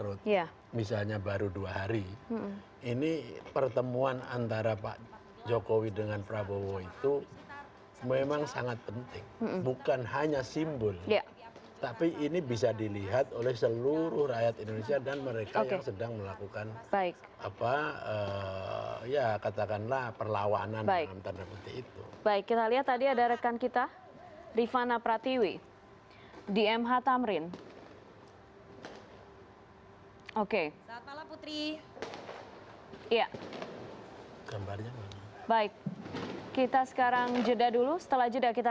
empat puluh tujuh orang ditangkap atas keributan yang terjadi di wilayah jakarta pusat